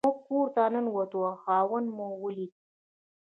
موږ کور ته ننوتو او خاوند مو ولید.